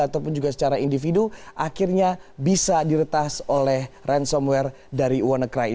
ataupun juga secara individu akhirnya bisa diretas oleh ransomware dari wannacry